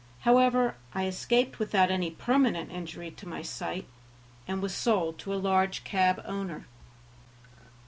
However, I escaped without any permanent injury to my sight, and was sold to a large cab owner.